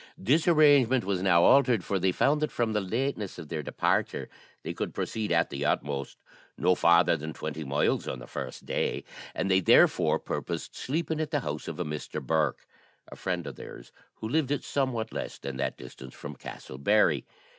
This arrangement was now altered, as they found that from the lateness of their departure they could proceed, at the utmost, no farther than twenty miles on the first day; and they, therefore, purposed sleeping at the house of a Mr. Bourke, a friend of theirs, who lived at somewhat less than that distance from Castle Barry.